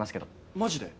マジで？